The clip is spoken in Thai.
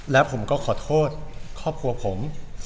แล้วผมก็ขอโทษครอบครัวผม